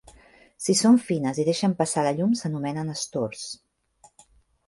Si són fines i deixen passar la llum s'anomenen estors.